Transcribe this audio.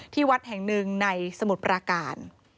วัดแห่งหนึ่งในสมุทรปราการ